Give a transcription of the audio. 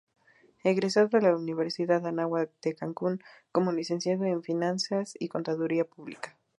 Egresado de la Universidad Anáhuac de Cancún, como Licenciado en Finanzas y Contaduría Pública.